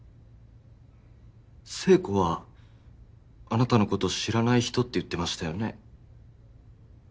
せい子はあなたのこと知らない人って言ってましたよね。